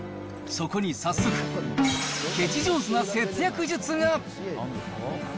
そこに早速、ケチ上手な節約術が。